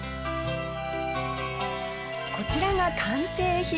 こちらが完成品。